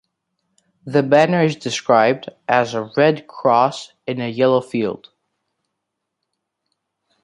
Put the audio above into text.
The banner is described as "a red cross in a yellow field".